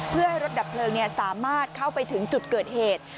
เพื่อให้รถดับเพลิงสามารถเข้าไปถึงจุดเกิดเหตุ